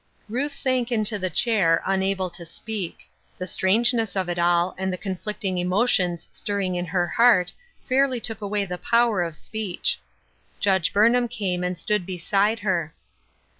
Ruth sank into the chair, unable to speak ; the strangeness of it all, and the conflicting emotions stirring in her heart fairly took away the power of speech. Judge Burnham came and stood be side her.